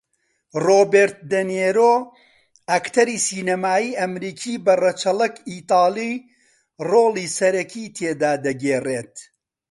رۆبێرت دێنیرۆ ئەکتەری سینەمایی ئەمریکی بە رەچەڵەک ئیتاڵی رۆڵی سەرەکی تێدا دەگێڕێت